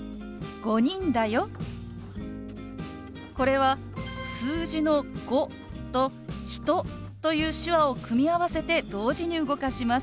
これは数字の「５」と「人」という手話を組み合わせて同時に動かします。